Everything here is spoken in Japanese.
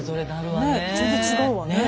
ねえ全然違うわね。